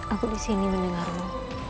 aku disini mendengarmu